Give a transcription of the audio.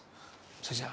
それじゃあ。